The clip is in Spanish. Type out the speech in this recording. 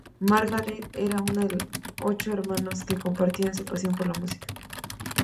Margaret era una de ocho hermanos que compartían su pasión por la música.